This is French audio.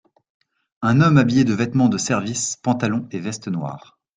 un homme habillé de vêtements de service, pantalon et veste noirs